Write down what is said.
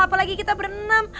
apalagi kita berenem